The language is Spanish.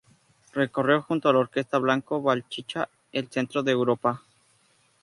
Recorrió junto a la Orquesta Bianco-Bachicha el centro de Europa.